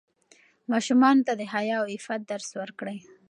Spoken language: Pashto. ماشومانو ته د حیا او عفت درس ورکړئ.